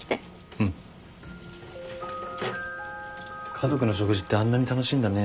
家族の食事ってあんなに楽しいんだね。